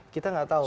kita nggak tahu kan